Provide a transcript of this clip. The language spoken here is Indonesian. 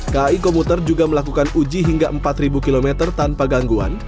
kai komuter juga melakukan uji hingga empat km tanpa gangguan